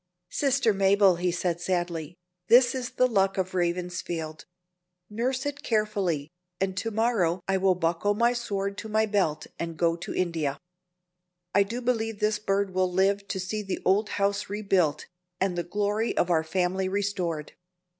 "Sister Mabel," he said, sadly, "this is the luck of Ravensfield: nurse it carefully, and to morrow I will buckle my sword to my belt and go to India. I do believe this bird will live to see the old house rebuilt, and the glory of our family restored."